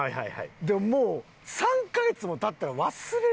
でももう３カ月も経ったら忘れるやろ。